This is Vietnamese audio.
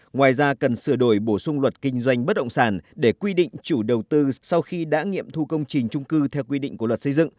ngoài ra cần sửa đổi bổ sung luật kinh doanh bất động sản để quy định chủ đầu tư sau khi đã nghiệm thu công trình trung cư theo quy định của luật xây dựng